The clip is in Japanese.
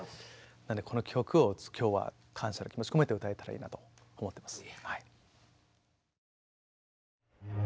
なのでこの曲を今日は感謝の気持ちを込めて歌えたらいいなと思っています。